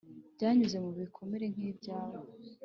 banyuze mu bikomeye nk’ibyawe